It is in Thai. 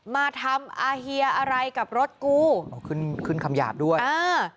มาทำอาเฮียอะไรกับรถกูขึ้นขึ้นคำหยาบด้วยอ่า